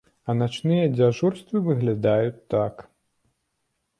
А начныя дзяжурствы выглядаюць так.